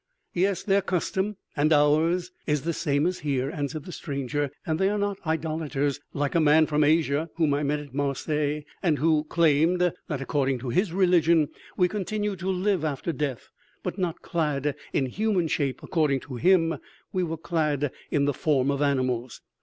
"Yes; their custom and ours is the same as here," answered the stranger; "and they are not idolaters like a man from Asia whom I met at Marseilles, and who claimed that, according to his religion, we continued to live after death, but not clad in human shape, according to him we were clad in the form of animals."